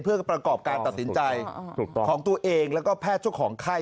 เพื่อประกอบการตัดสินใจของตัวเองและแพทย์ชุดของค่าย